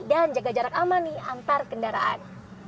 dan jaga jarak aman antar kendaraan